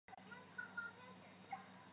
他也代表黑山国家足球队参赛。